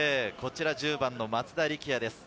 １０番は松田力也です。